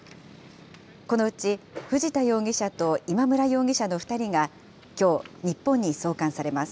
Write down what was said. このうち藤田容疑者と今村容疑者の２人がきょう、日本に送還されます。